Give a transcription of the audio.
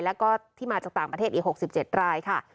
แล้วก็ที่มาจากต่างประเทศอีก๖๗รายค่ะ